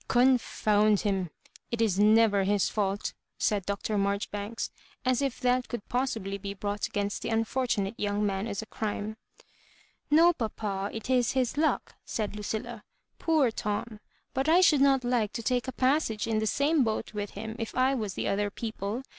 Confound hun 1 it is never his fault," said Dr. Marjoribanks, as if that could possibly be brought against the unfortunate young man as a crime. " No papa, it is his luck," said Ludlla ; "poor Tom I — but I should not like to take a passage in the same boat with him if I was the other people.